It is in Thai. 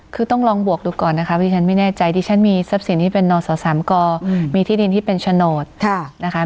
คือต้องลองบวกดูก่อนนะคะที่ฉันไม่แน่ใจดิฉันมีทรัพย์สินที่เป็นนศสามกมีที่ดินที่เป็นโฉนดนะคะ